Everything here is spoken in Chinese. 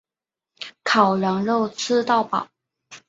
烤羊肉吃到饱